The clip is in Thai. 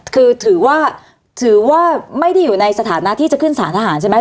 คือถือว่าถือว่าไม่ได้อยู่ในสถานะที่จะขึ้นสารทหารใช่ไหม